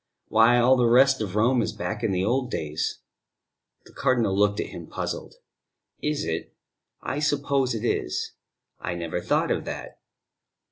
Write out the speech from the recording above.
"Why, all the rest of Rome is back in the old days." The Cardinal looked at him, puzzled. "Is it? I suppose it is. I never thought of that."